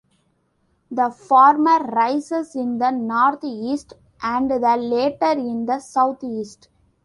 The former rises in the north-east, and the latter in the south-east!